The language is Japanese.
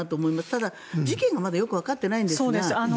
ただ、事件がまだよくわかっていないんですよね。